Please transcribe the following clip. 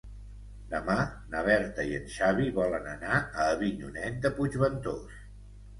Demà na Berta i en Xavi volen anar a Avinyonet de Puigventós.